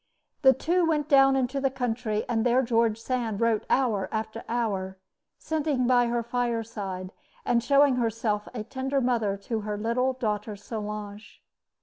The two went down into the country; and there George Sand wrote hour after hour, sitting by her fireside, and showing herself a tender mother to her little daughter Solange.